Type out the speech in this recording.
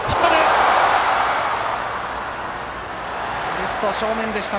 レフト正面でした。